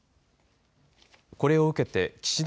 これを受けて岸田